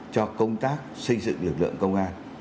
cho công tác xây dựng lực lượng công an